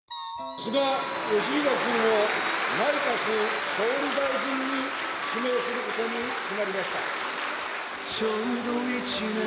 菅義偉君を内閣総理大臣に指名することに決まりました。